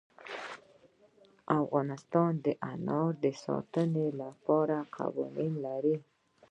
افغانستان د انار د ساتنې لپاره قوانین لري.